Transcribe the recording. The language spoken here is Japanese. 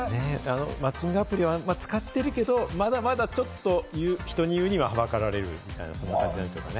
マッチングアプリは使ってるけど、まだまだちょっと人に言うには、はばかられるみたいなところなんでしょうかね？